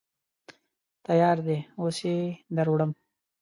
_تيار دی، اوس يې دروړم.